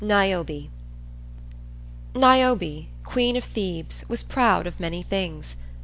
NIOBE Niobe, Queen of Thebes, was proud of many things.